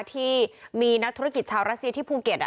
ที่มีนักธุรกิจชาวรัสเซียที่ภูเก็ต